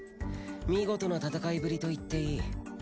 見事な戦いぶりと言っていい。